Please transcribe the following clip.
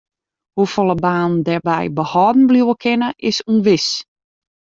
Hoefolle banen dêrby behâlden bliuwe kinne is ûnwis.